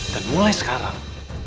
dan mulai sekarang